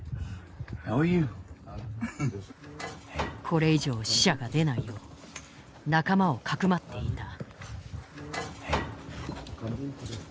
これ以上死者が出ないよう仲間をかくまっていた。